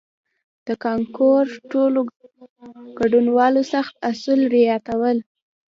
د کانکور ټولو ګډونوالو سخت اصول رعایتول.